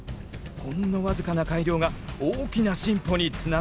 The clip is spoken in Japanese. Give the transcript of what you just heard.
ほんの僅かな改良が大きな進歩につながるという。